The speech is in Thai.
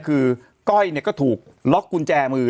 ก้อยเนี่ยก็ถูกล็อกกุญแจมือ